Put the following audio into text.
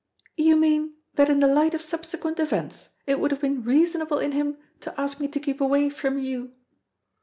"You mean that in the light of subsequent events it would have been reasonable in him to ask me to keep away from you?"